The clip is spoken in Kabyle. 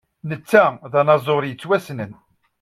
Netta d anaẓur yettwassnen.